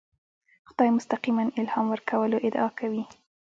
خدای مستقیماً الهام ورکولو ادعا کوي.